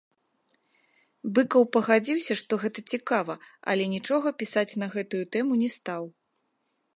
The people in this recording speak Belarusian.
Быкаў пагадзіўся, што гэта цікава, але нічога пісаць на гэтую тэму не стаў.